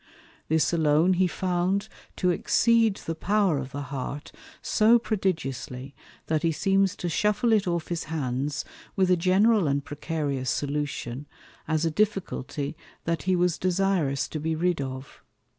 This alone he found to exceed the Power of the Heart so prodigiously, that he seems to shuffle it off his Hands with a general and precarious Solution, as a difficulty that he was desirous to be rid of.